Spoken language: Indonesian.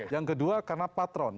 yang kedua karena patron